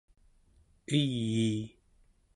eyii!